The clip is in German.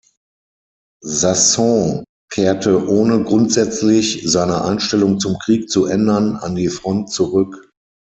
Sassoon kehrte, ohne grundsätzlich seine Einstellung zum Krieg zu ändern, an die Front zurück.